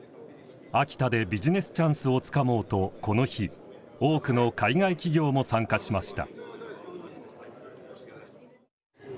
秋田でビジネスチャンスをつかもうとこの日多くの海外企業も参加しました。